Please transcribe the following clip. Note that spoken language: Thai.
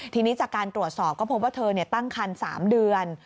ทีนี้จากการตรวจสอบก็พบว่าเธอตั้งคัน๓เดือน